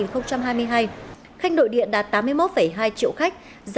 khách nội địa đạt tám mươi một hai triệu khách